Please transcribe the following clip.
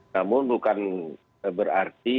namun bukan berarti